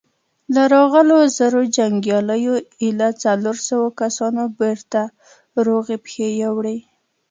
له راغلو زرو جنګياليو ايله څلورو سوو کسانو بېرته روغي پښې يووړې.